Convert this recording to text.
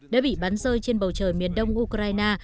đã bị bắn rơi trên bầu trời miền đông ukraine